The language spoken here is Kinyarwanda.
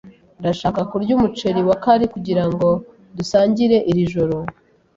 Ndashaka kurya umuceri wa curry kugirango dusangire iri joro.